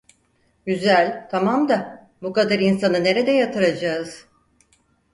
Güzel, tamam da, bu kadar insanı nerede yatıracağız?